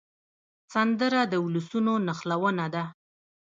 سندره د ولسونو نښلونه ده